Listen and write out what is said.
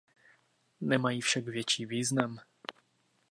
Nemají však větší význam.